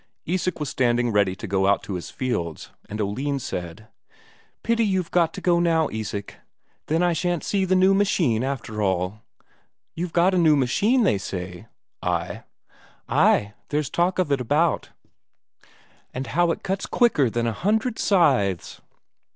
Isak was standing ready to go out to his fields, and Oline said: "Pity you've got to go now, Isak; then I shan't see the new machine, after all. You've got a new machine, they say?" "Ay." "Ay, there's talk of it about, and how it cuts quicker than a hundred scythes.